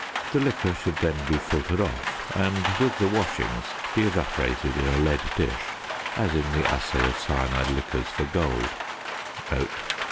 The liquor should then be filtered off and, with the washings, be evaporated in a lead dish as in the assay of cyanide liquors for gold (p.